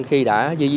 khi đã di dân